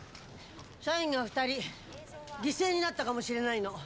社員が２人犠牲になったかもしれないの。